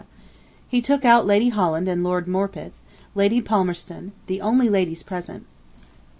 He took out Lady Holland and Lord Morpeth, Lady Palmerston, the only ladies present.